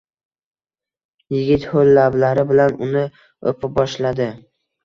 Yigit hoʻl lablari bilan uni oʻpa boshladi